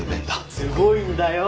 すごいんだよ。